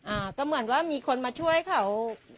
อ่าก็เหมือนว่ามีคนมาช่วยเขา